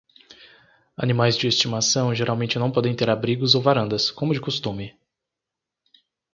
Animais de estimação geralmente não podem ter abrigos ou varandas, como de costume.